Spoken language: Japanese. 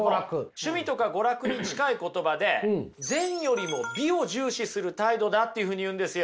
「趣味」とか「娯楽」に近い言葉で善よりも美を重視する態度だっていうふうに言うんですよ。